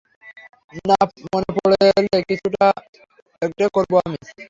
না মনে পড়লে কিছু একটা করবো আমি।